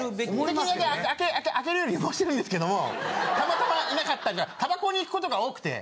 できるだけ空けるようにはしてるんですけどもたまたま居なかったりタバコに行くことが多くて。